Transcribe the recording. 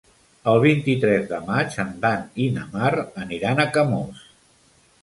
El vint-i-tres de maig en Dan i na Mar aniran a Camós.